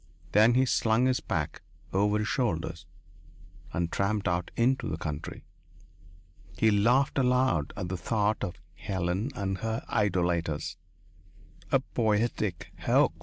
Then he slung his pack over his shoulders and tramped out into the country. He laughed aloud at the thought of Helen and her idolaters. A poetic hoax.